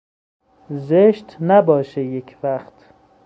زشت نباشه یک وقت